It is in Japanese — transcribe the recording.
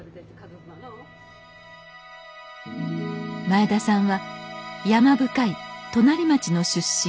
前田さんは山深い隣町の出身。